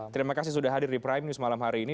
terima kasih sudah hadir di primenews malam hari ini